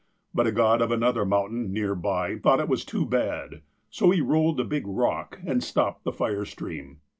But a god of another mountain, near by, thought it was too bad, so he rolled down a big rock, and stopped the fire stream.